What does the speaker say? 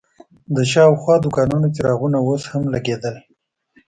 د شاوخوا دوکانونو څراغونه اوس هم لګېدل.